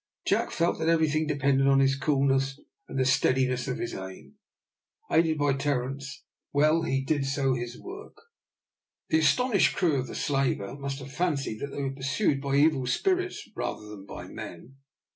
Jack felt that everything depended on his coolness and the steadiness of his aim. Aided by Terence, well did he do his work. The astonished crew of the slaver must have fancied that they were pursued by evil spirits rather than by men.